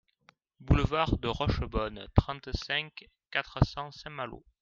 Boulevard de Rochebonne, trente-cinq, quatre cents Saint-Malo